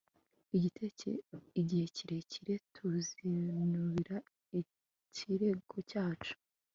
Igihe kirekire tuzinubira igitero cyacu